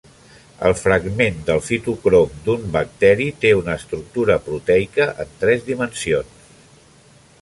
A fragment del fitocrom d'un bacteri té una estructura proteica en tres dimensions.